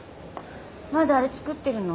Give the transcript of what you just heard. まだあれ作ってるの？